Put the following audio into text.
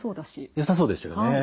よさそうでしたよね。